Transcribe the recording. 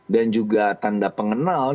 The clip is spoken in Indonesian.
dan juga tanda pengenal